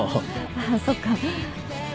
あっそっか。